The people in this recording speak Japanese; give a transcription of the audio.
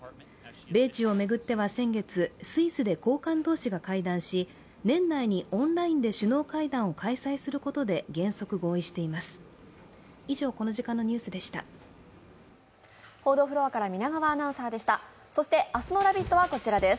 米中を巡っては先月、スイスで高官同士が会談し年内にオンラインで首脳会談を開催することで原則合意しています。